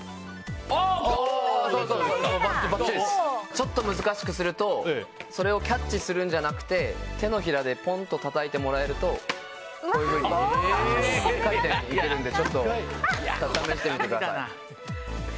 ちょっと難しくするとそれをキャッチするんじゃなくて手のひらでポンとたたいてもらうとこういうふうに１回でできるので。